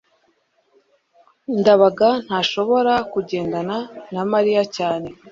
ndabaga ntashobora kugendana na mariya cyane